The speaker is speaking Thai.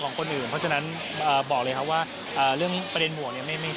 คือไม่ใช่ดีพอสำหรับคนณอะไรแบบนี้